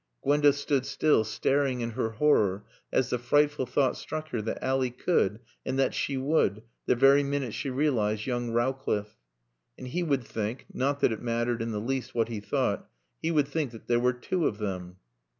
Gwenda stood still, staring in her horror as the frightful thought struck her that Ally could, and that she would, the very minute she realised young Rowcliffe. And he would think not that it mattered in the least what he thought he would think that there were two of them.